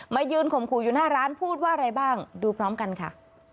ยืนข่มขู่อยู่หน้าร้านพูดว่าอะไรบ้างดูพร้อมกันค่ะ